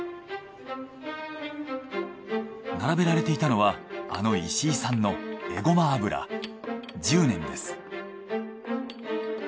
並べられていたのはあの石井さんのえごま油じゅうねんです。